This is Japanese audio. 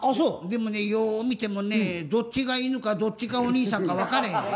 でもねよう見てもねどっちが犬かどっちがお兄さんか分からへんで。